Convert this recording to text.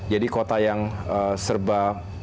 jadi kota yang serba